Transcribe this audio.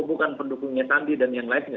bukan pendukungnya sandi dan yang lainnya